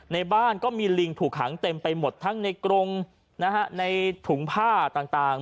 ในบ้านก็มีลิงถูกขังเต็มไปหมดทั้งในกรงนะฮะในถุงผ้าต่าง